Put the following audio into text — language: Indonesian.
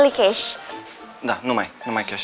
tidak bisa cuma cash